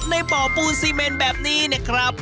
ในเป่าปูซีเมนแบบนี้นะครับ